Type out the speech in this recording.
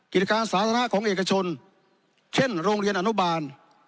กิจการสาธารณะของเอกชนเช่นโรงเรียนอนุบาล